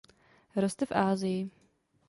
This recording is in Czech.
Roste v Asii.